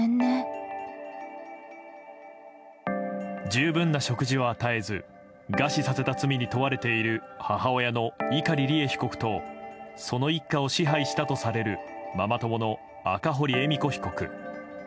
十分な食事は与えず餓死させた罪に問われている母親の碇利恵被告とその一家を支配したとされるママ友の赤堀恵美子被告。